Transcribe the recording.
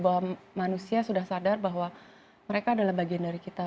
bahwa manusia sudah sadar bahwa mereka adalah bagian dari kita